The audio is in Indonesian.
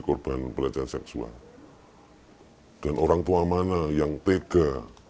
korban pelecehan seksual dan orang tua mana yang tega